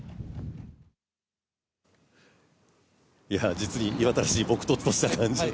実に岩田らしいぼくとつとした感じの。